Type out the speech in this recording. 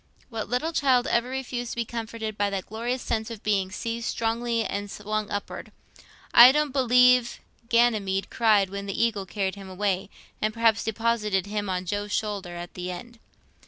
What little child ever refused to be comforted by that glorious sense of being seized strongly and swung upward? I don't believe Ganymede cried when the eagle carried him away, and perhaps deposited him on Jove's shoulder at the end.